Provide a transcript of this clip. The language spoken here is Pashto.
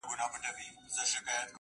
پر خاوره ناروا قبضه لګولې